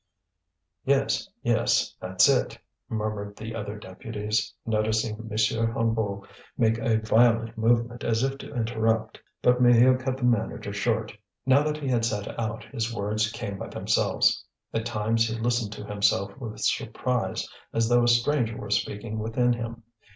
"Yes, yes, that's it," murmured the other deputies, noticing M. Hennebeau make a violent movement as if to interrupt. But Maheu cut the manager short. Now that he had set out his words came by themselves. At times he listened to himself with surprise as though a stranger were speaking within him.